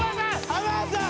・浜田さん！